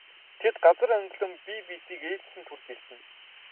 Тэд газар онгилон бие биесийг ээлжлэн түрж элдэнэ.